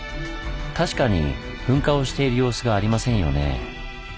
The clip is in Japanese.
確かに噴火をしている様子がありませんよね。